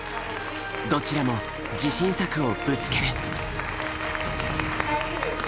どちらも自信作をぶつける。